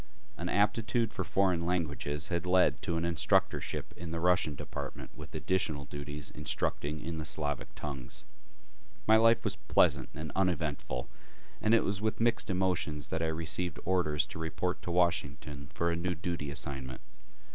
An aptitude for foreign languages had led to an instructorship in the Russian department with additional duties instructing in the Slavic tongues. My life was pleasant and uneventful, and it was with mixed emotions that I received orders to report to Washington for a new duty assignment.